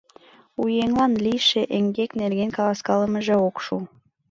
У еҥлан лийше эҥгек нерген каласкалымыже ок шу.